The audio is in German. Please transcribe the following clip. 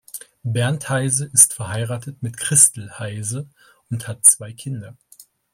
Bernd Heise ist verheiratet mit Christel Heise und hat zwei Kinder.